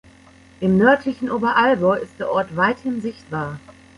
Im nördlichen Oberallgäu ist der Ort weithin sichtbar.